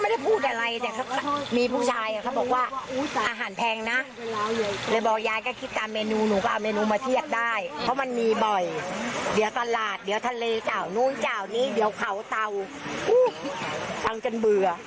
เดี๋ยวเขาเตาฟังกันเบื่อ